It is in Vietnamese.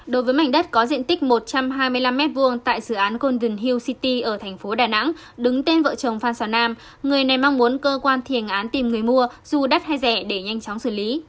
đối với mảnh đất có diện tích một trăm hai mươi năm m hai tại dự án convien hill city ở thành phố đà nẵng đứng tên vợ chồng phan xà nam người này mong muốn cơ quan thiền án tìm người mua dù đắt hay rẻ để nhanh chóng xử lý